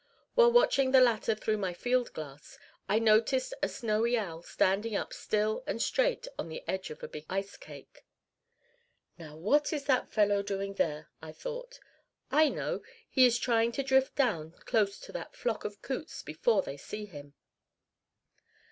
While watching the latter through my field glass, I noticed a snowy owl standing up still and straight on the edge of a big ice cake. "Now what is that fellow doing there?" I thought. "I know! He is trying to drift down close to that flock of coots before they see him."